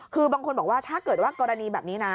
คือบางคนบอกว่าถ้าเกิดว่ากรณีแบบนี้นะ